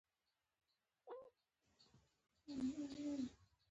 دوی یوازې خپل جېبونه ډکول.